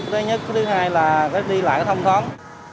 thứ nhất thứ hai là cách đi lại thông thoáng